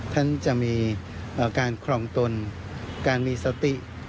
ท่านจะมีการครองตนการมีสติ